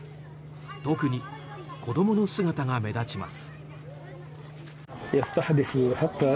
特に子どもの姿が目立ちます。